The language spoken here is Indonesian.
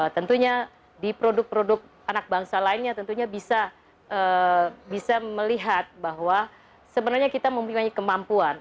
tentunya di produk produk anak bangsa lainnya tentunya bisa melihat bahwa sebenarnya kita mempunyai kemampuan